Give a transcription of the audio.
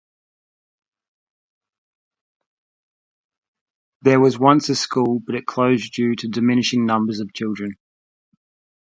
There was once a school but it closed due to diminishing numbers of children.